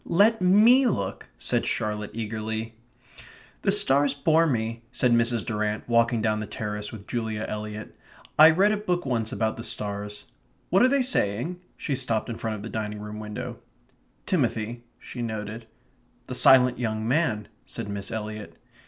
"Let ME look," said Charlotte eagerly. "The stars bore me," said Mrs. Durrant, walking down the terrace with Julia Eliot. "I read a book once about the stars.... What are they saying?" She stopped in front of the dining room window. "Timothy," she noted. "The silent young man," said Miss Eliot.